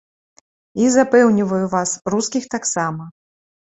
І, запэўніваю вас, рускіх таксама.